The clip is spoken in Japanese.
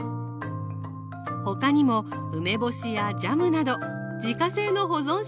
他にも梅干しやジャムなど自家製の保存食も。